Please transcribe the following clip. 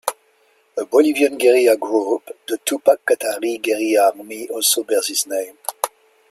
A Bolivian guerrilla group, the Tupac Katari Guerrilla Army, also bears his name.